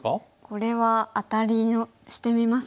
これはアタリしてみますか。